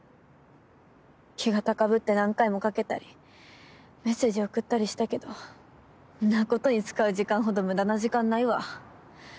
気が高ぶって何回もかけたりメッセージ送ったりしたけどんなことに使う時間ほど無駄な時間ないわ。